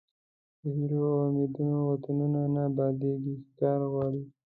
په هیلو او امیدونو وطنونه نه ابادیږي کار غواړي.